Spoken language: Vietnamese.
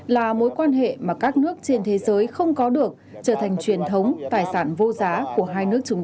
là mối quan hệ mà các nước trên thế giới không có được trở thành truyền thống tài sản vô giá của hai nước